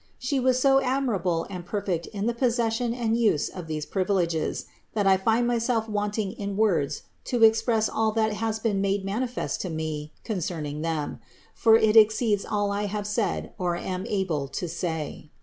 She was so ad mirable and perfect in the possession and use of these privileges, that I find myself wanting in words to ex press all that has been made manifest to me concerning them; for it exceeds all that I have said or am able to say.